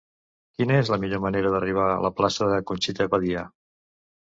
Quina és la millor manera d'arribar a la plaça de Conxita Badia?